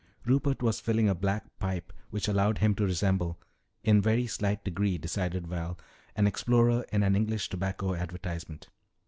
Rupert was filling a black pipe which allowed him to resemble in very slight degree, decided Val an explorer in an English tobacco advertisement.